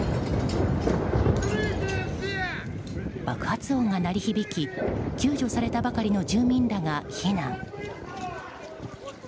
爆発音が鳴り響き救助されたばかりの住民らが避難。